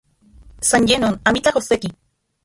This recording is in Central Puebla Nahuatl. San ye non, amitlaj okse-ki.